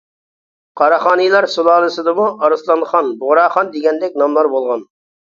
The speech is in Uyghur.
قاراخانىيلار سۇلالىسىدىمۇ «ئارسلانخان» ، «بۇغراخان» دېگەندەك ناملار بولغان.